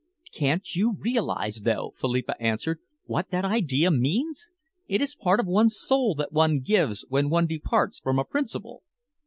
"Can't you realise, though," Philippa answered, "what that idea means? It is part of one's soul that one gives when one departs from a principle."